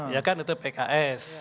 ya kan itu pks